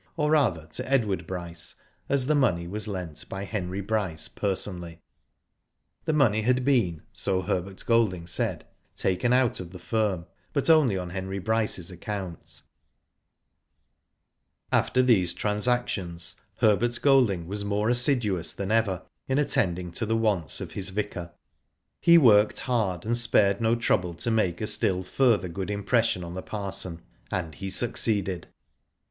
or rather to Edward Bryce, as the money was lent by Henry Bryce personally. Digitized byGoogk MRS. BRYCE ACCEPTS. 149 The money had been, so Herbert Golding said, taken out of the firm, but only on Henry Bryce's account After these transactions, Herbert Golding was more assiduous than ever in attending to the wants of his vicar. He worked hard, and spared no trouble to make a still further good impression on the parson, and he succeeded.